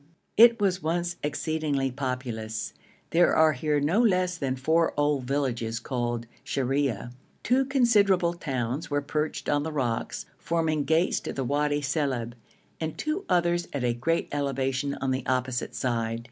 It was once exceedingly populous; there are here no less than four old villages called Shariah; two considerable towns were perched on the rocks, forming gates to the Wadi Silib, and two others at a great elevation on the opposite side.